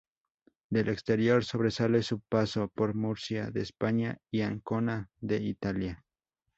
Del exterior, sobresale su paso por Murcia de España y Ancona de Italia.